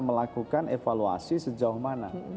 melakukan evaluasi sejauh mana